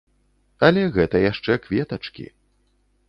Але гэта яшчэ кветачкі.